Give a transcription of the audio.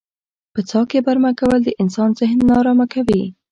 په څاه کې برمه کول د انسان ذهن نا ارامه کوي.